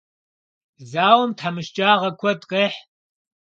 Зауэм тхьэмыщкӏагъэ куэд къехь.